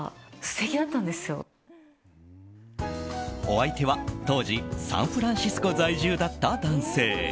お相手は当時サンフランシスコ在住だった男性。